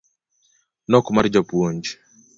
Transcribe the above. nok mar jopuonj